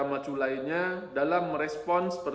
mendorong berlanjutnya pelonggaran moneter